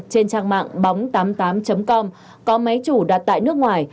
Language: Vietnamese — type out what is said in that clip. trên trang mạng bóng tám mươi tám com có máy chủ đặt tại nước ngoài